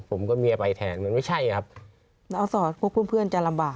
ผมกับเมียไปแทนมันไม่ใช่ครับเราสอนพวกเพื่อนเพื่อนจะลำบาก